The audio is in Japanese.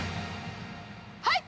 はい！